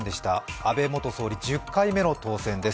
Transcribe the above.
安倍元総理１０回目の当選です。